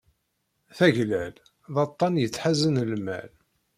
Ṭaglal d aṭṭan yettḥazen lmal.